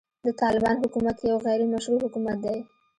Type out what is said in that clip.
د طالبانو حکومت يو غيري مشروع حکومت دی.